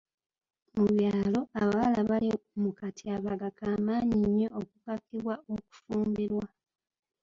Mu byalo, abawala bali mu katyabaga k'amaanyi nnyo ak'okukakibwa okufumbirwa.